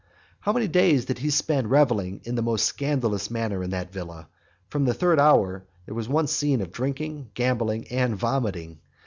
XLI. But how many days did he spend revelling in the most scandalous manner in that villa! From the third hour there was one scene of drinking, gambling, and vomiting.